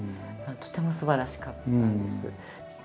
とてもすばらしかったんです。